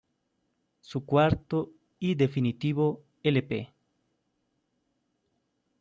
Su cuarto y definitivo l.p.